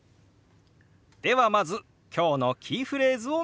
ではまず今日のキーフレーズを見てみましょう。